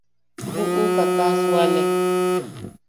Buʼuka kaa suale.